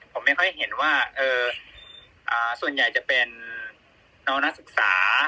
ผมไม่ค่อยเห็นว่าส่วนใหญ่จะเป็นน้องนักศึกษา